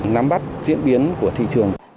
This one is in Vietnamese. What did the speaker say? nắm bắt diễn biến của thị trường